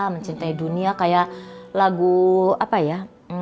mencintai dunia kayak lagu apa ya